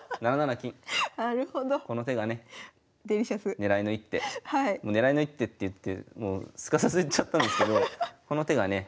狙いの一手って言ってもうすかさずいっちゃったんですけどこの手がね